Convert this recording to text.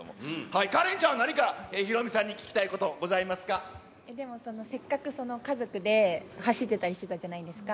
カレンちゃんは何か、ヒロミでも、せっかく家族で走ってたりしたじゃないですか。